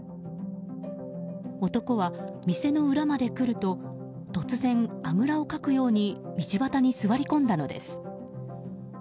男は店の裏まで来ると突然、あぐらをかくように道端に座り込んだのです。